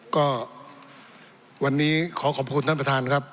ก็วันนี้ขอขอบคุณท่านประธานครับ